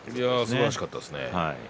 すばらしかったですね